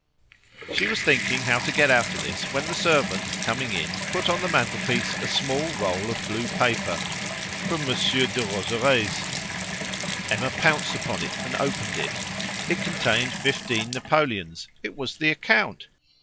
She was thinking how to get out of this when the servant coming in put on the mantelpiece a small roll of blue paper "from Monsieur Derozeray's." Emma pounced upon and opened it. It contained fifteen napoleons; it was the account.